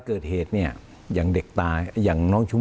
คุณจอมขอบพระคุณครับ